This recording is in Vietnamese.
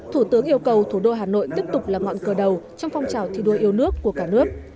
thủ tướng yêu cầu thủ đô hà nội tiếp tục là ngọn cờ đầu trong phong trào thi đua yêu nước của cả nước